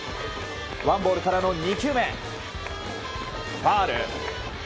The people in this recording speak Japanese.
ワンボールからの２球目ファウル。